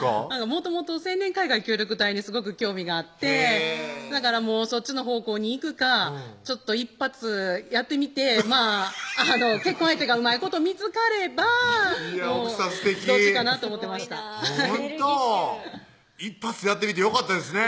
もともと青年海外協力隊にすごく興味があってだからそっちの方向に行くかちょっと一発やってみて結婚相手がうまいこと見つかればいや奥さんすてきどっちかなと思ってました一発やってみてよかったですね